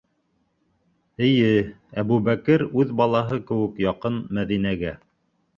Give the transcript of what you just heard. Эйе, Әбүбәкер үҙ балаһы кеүек яҡын Мәҙинәгә.